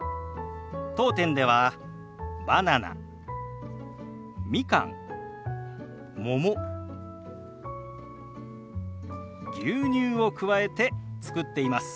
当店ではバナナみかんもも牛乳を加えて作っています。